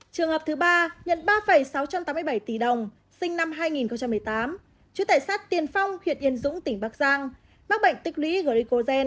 trường hợp thứ ba nhận ba sáu trăm tám mươi bảy tỷ đồng sinh năm hai nghìn một mươi tám trú tại xác tiền phong huyện yên dũng tỉnh bắc giang mắc bệnh tích lý glicogen